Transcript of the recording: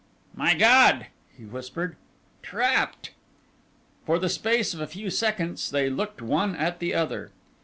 "My God!" he whispered. "Trapped!" For the space of a few seconds they looked one at the other.